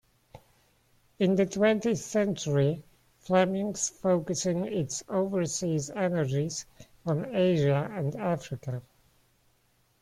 In the twentieth century, Flemings focusing its overseas energies on Asia and Africa.